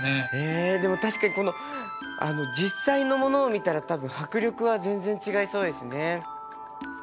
えでも確かにこの実際のものを見たら多分迫力は全然違いそうですね。